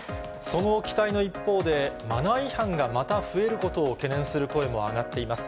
その期待の一方で、マナー違反がまた増えることを懸念する声も上がっています。